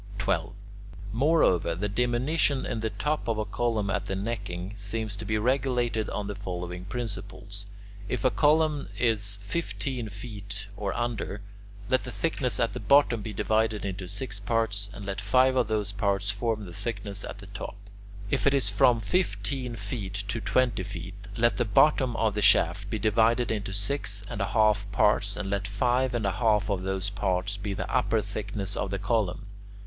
[Illustration: THE DIMINUTION OF COLUMNS IN RELATION TO THEIR DIMENSIONS OF HEIGHT] 12. Moreover, the diminution in the top of a column at the necking seems to be regulated on the following principles: if a column is fifteen feet or under, let the thickness at the bottom be divided into six parts, and let five of those parts form the thickness at the top. If it is from fifteen feet to twenty feet, let the bottom of the shaft be divided into six and a half parts, and let five and a half of those parts be the upper thickness of the column.